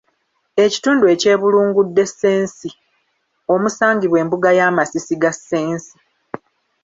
Ekitundu ekyebunguludde ssensi omusangibwa embuga y'amasisi ga ssensi.